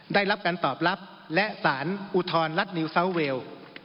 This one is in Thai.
ได้รับการตอบรับและสารอุทธรณรัฐนิวซาวเวล